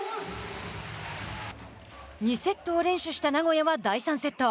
２セットを連取した名古屋は第３セット。